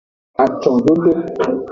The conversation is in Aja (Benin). Acododo.